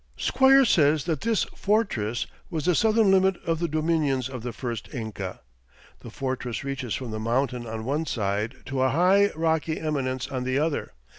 Squier says that this "fortress" was "the southern limit of the dominions of the first Inca." "The fortress reaches from the mountain, on one side, to a high, rocky eminence on the other.